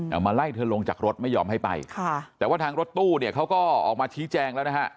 เอามาไล่เธอลงจากรถไม่ยอมให้ไปค่ะแต่ว่าทางรถตู้เนี่ยเขาก็ออกมาชี้แจงแล้วนะฮะ